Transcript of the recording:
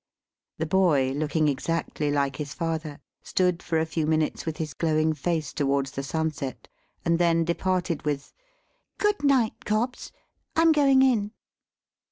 The boy, looking exactly like his father, stood for a few minutes with his glowing face towards the sunset, and then departed with, "Good night, Cobbs. I'm going in."